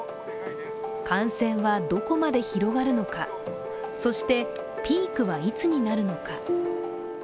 感染はどこまで広がるのか、そしてピークはいつになるのか。